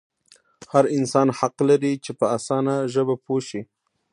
هر انسان حق لري چې په اسانه ژبه پوه شي.